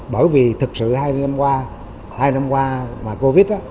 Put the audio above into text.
bởi vì thực sự hai năm qua covid